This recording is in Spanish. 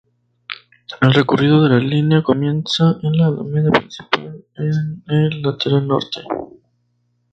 El recorrido de la línea comienza en la Alameda Principal, en el lateral norte.